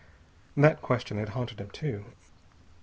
That question had haunted him too.